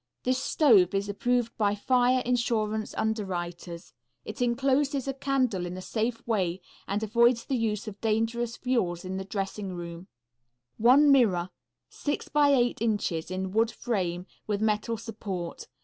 This stove is approved by Fire Insurance Underwriters. It encloses a candle in a safe way and avoids the use of dangerous fuels in the dressing rooms. One Mirror. 6x8 inches, in wood frame, with metal support.